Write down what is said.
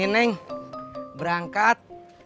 ini neng berangkat